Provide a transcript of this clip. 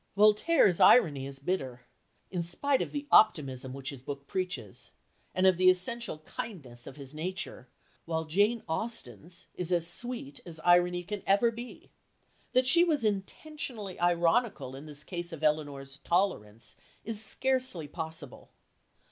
Voltaire's irony is bitter, in spite of the optimism which his book preaches, and of the essential kindness of his nature, while Jane Austen's is as sweet as irony can ever be. That she was intentionally ironical in this case of Elinor's tolerance is scarcely possible.